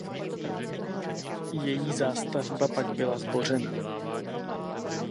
Její zástavba pak byla zbořena.